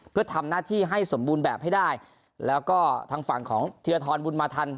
เพื่อทำหน้าที่ให้สมบูรณ์แบบให้ได้แล้วก็ทางฝั่งของธีรทรบุญมาทัน